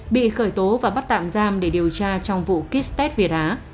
bị khởi tố và bắt tạm giam để điều tra trong vụ kit test việt á